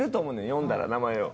呼んだら名前を。